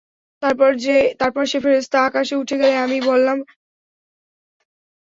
তারপর সে ফেরেশতা আকাশে উঠে গেলে আমি বললাম, হে জিবরাঈল।